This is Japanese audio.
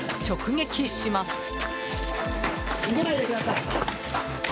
直撃します。